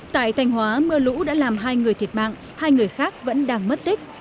tại thanh hóa mưa lũ đã làm hai người thiệt mạng hai người khác vẫn đang mất tích